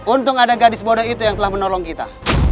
untung ada gadis bodoh itu yang telah menolong kita